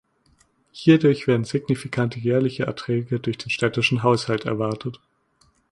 Hierdurch werden signifikante jährliche Erträge für den städtischen Haushalt erwartet.